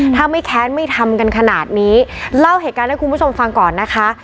ถ้าไม่แค้นไม่ทำกันขนาดนี้เล่าเหตุการณ์ให้คุณผู้ชมฟังก่อนนะคะ